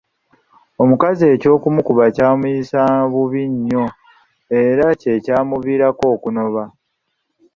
Omukazi eky'okumukuba kyamuyisanga bubi nnyo era ky'ekyamuviirako okunoba.